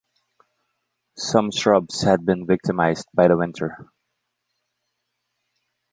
Some shrubs had been victimized by the winter.